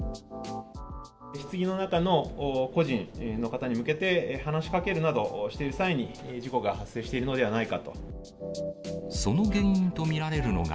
ひつぎの中の故人の方に向けて、話しかけるなどしている際に、事故が発生しているのではないかその原因と見られるのが、